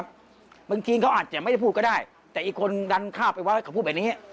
เมืองชีนจะอาจจะไม่พูดก็ได้แต่อีกคนดันค่าไปไว้พูดแบบนี้